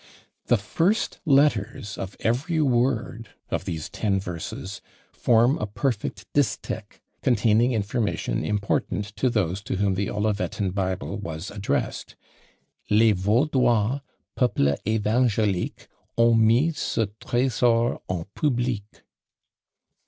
The first letters of every word of these ten verses form a perfect distich, containing information important to those to whom the Olivetan Bible was addressed. Les Vaudois, peuple évangélique, Ont mis ce thrésor en publique.